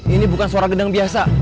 ini bukan suara gendang biasa